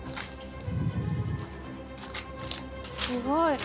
すごい。